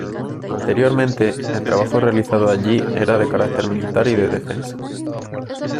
Anteriormente, el trabajo realizado allí era de carácter militar y de defensa.